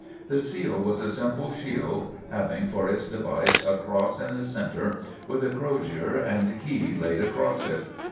The seal was a simple shield having for its device a cross in the center, with a crosier and key laid across it.